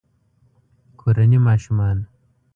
کورني ماشومان